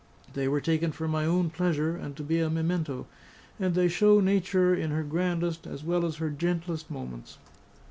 They were taken for my own pleasure and to be a memento; and they show Nature in her grandest as well as her gentlest moments."